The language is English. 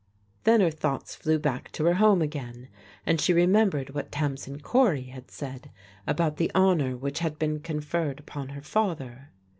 Then her thoughts flew back to her home again, and she remembered what Tamsin Cory had said about the honour which had been conferred upon her father.